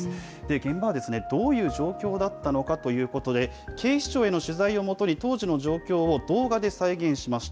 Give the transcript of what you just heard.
現場は、どういう状況だったのかということで、警視庁への取材をもとに、当時の状況を動画で再現しました。